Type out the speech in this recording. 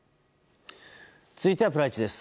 続いては、プライチです。